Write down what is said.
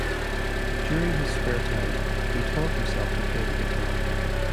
During his spare time, he taught himself to play the guitar.